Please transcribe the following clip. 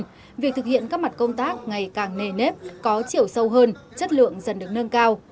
vì vậy việc thực hiện các mặt công tác ngày càng nề nếp có chiều sâu hơn chất lượng dần được nâng cao